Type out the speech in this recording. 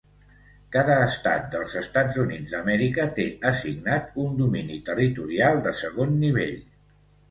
Cada estat dels Estats Units d'Amèrica té assignat un domini territorial de segon nivell.